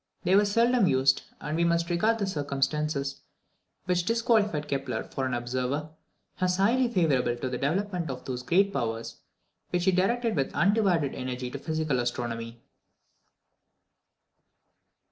They were very seldom used, and we must regard the circumstances which disqualified Kepler for an observer, as highly favourable to the developement of those great powers which he directed with undivided energy to physical astronomy.